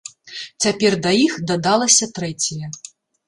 Цяпер да іх дадалася трэцяя.